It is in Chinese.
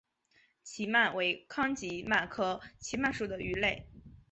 奇鳗为康吉鳗科奇鳗属的鱼类。